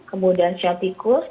kemudian show tikus